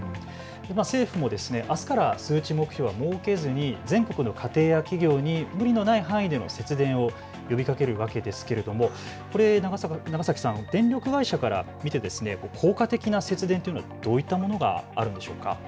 政府もあすから数値目標は設けずに全国の家庭や企業に無理のない範囲で節電を呼びかけるわけですけれども長崎さん、電力会社から見て効果的な節電というのはどういったものがあるんでしょうか。